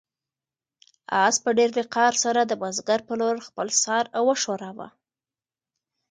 آس په ډېر وقار سره د بزګر په لور خپل سر وښوراوه.